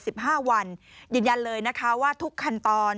สิบห้าวันยืนยันเลยนะคะว่าทุกขั้นตอน